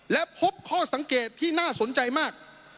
และพบข้อสังเกตที่น่าสนใจมาก